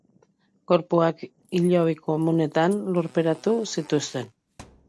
Gorpuak hilobi komunetan lurperatu zituzten.